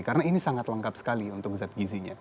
karena ini sangat lengkap sekali untuk zat gizinya